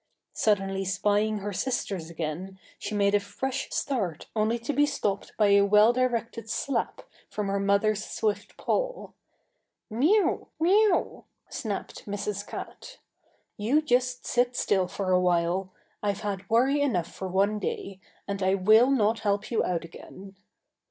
Suddenly spying her sisters again, she made a fresh start only to be stopped by a well directed slap from her mother's swift paw. "M'you, M'you!" snapped Mrs. Cat. "You just sit still for a while. I've had worry enough for one day, and I will not help you out again."